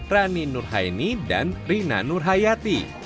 rani nurhaini dan rina nurhayati